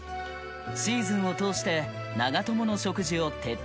シーズンを通して長友の食事を徹底管理。